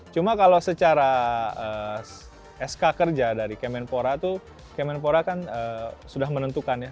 cuma kalau secara sk kerja dari kemenpora tuh kemenpora kan sudah menentukan ya